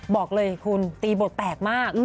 บอกเลยคุณตีบทแตกมาก